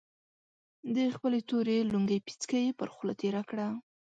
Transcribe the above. د خپلې تورې لونګۍ پيڅکه يې پر خوله تېره کړه.